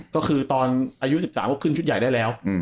ก็คือตอนอายุ๑๓ก็ขึ้นชุดใหญ่ได้แล้ว